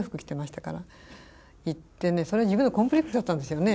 行ってねそれ自分のコンプレックスだったんですよね。